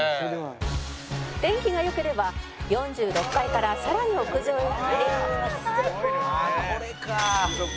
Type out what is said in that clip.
「天気が良ければ４６階からさらに屋上へ上がり」「最高！」